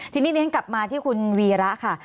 ทีนี้กลับมาที่คุณวีระค่ะ